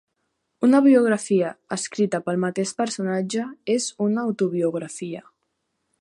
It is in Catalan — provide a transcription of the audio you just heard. Una biografia escrita pel mateix personatge és una autobiografia.